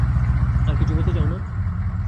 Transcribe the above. আর কিছু বলতে চাও না?